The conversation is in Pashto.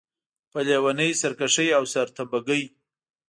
په لېونۍ سرکښۍ او سرتمبه ګۍ.